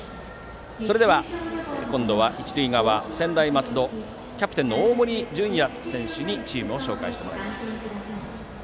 では、一塁側の専大松戸キャプテンの大森准弥選手にチームを紹介してもらいます。